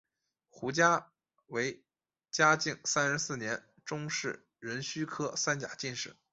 胡价为嘉靖三十四年中式壬戌科三甲进士。